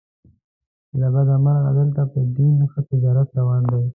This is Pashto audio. له بده مرغه دلته په دین ښه تجارت روان دی.